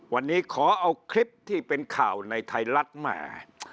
วันนี้ขอเอาคลิปที่เป็นข่าวในไทยรัฐมา